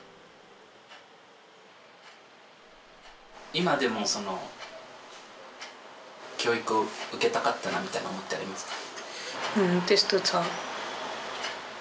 今でもその教育を受けたかったなみたいな思いってありますか？